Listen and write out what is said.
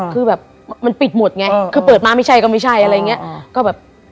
คือแบบมันปิดหมดไงคือเปิดมาไม่ใช่ก็ไม่ใช่อะไรอย่างเงี้ยก็แบบ